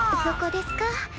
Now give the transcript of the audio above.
そこですか。